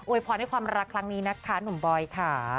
พรให้ความรักครั้งนี้นะคะหนุ่มบอยค่ะ